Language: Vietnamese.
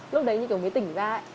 lúc đấy mình mới tỉnh ra